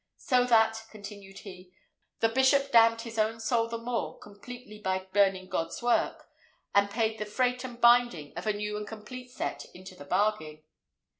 "So that," continued he, "the bishop damned his own soul the more completely by burning God's Word, and paid the freight and binding of a new and complete set into the bargain."